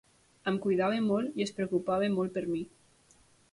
Em cuidava molt i es preocupava molt per mi.